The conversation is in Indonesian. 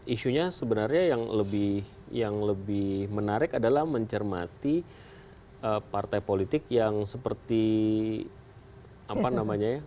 isunya sebenarnya yang lebih menarik adalah mencermati partai politik yang seperti apa namanya ya